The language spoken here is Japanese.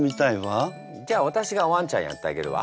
じゃあ私がワンちゃんやってあげるわ。